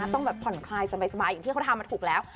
ต้องแบบผ่อนคลายสบายอย่างที่เขาทำมาถูกแล้ว